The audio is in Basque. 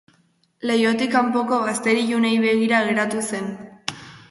Leihotik kanpoko bazter ilunei begira geratu zen.